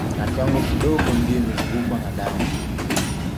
Na kiwango kidogo ndio imezungukwa na damu